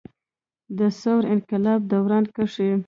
د ثور انقلاب دوران کښې